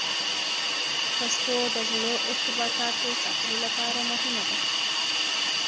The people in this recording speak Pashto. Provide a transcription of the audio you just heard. پښتو د زړو ارتباطاتو ساتلو لپاره مهمه ده.